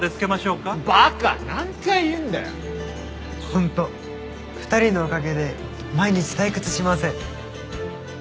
本当２人のおかげで毎日退屈しません。